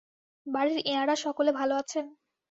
বাড়ির এঁয়ারা সকলে ভালো আছেন?